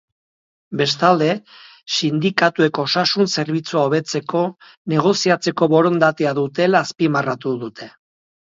Bestalde, sindikatuek osasun zerbitzua hobetzeko negoziatzeko borondatea dutela azpimarratu dute.